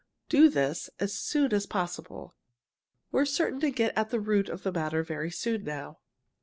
Do this as soon as possible. We're certain to get at the root of the matter very soon now."